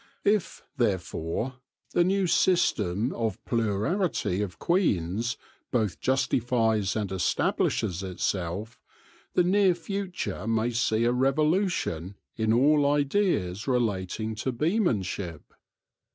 If, therefore, the new system of 'plurality of queens both justifies and establishes itself, the near future may see a revolution in all ideas relating to bee manship.